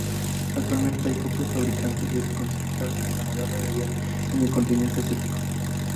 Actualmente, hay pocos fabricantes, y se concentran la gran mayoría en el continente asiático.